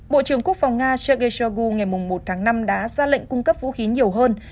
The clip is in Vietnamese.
bộ trưởng quốc phòng nga sergei shoigu ngày một tháng năm đã ra lệnh cung cấp vũ khí nhiều hơn